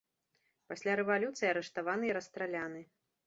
Пасля рэвалюцыі арыштаваны і расстраляны.